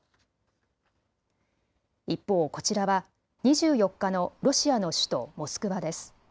一方、こちらは２４日のロシアの首都モスクワです。